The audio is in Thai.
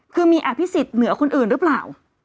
คือมีอภิษฎเหนือคนอื่นหรือเปล่า